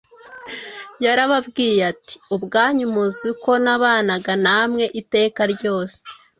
Yarababwiye ati: “Ubwanyu muzi uko nabanaga namwe iteka ryose,